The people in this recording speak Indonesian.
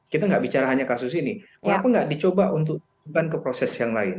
kita nggak bicara hanya kasus ini kenapa nggak dicoba untukkan ke proses yang lain